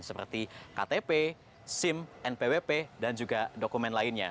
seperti ktp sim npwp dan juga dokumen lainnya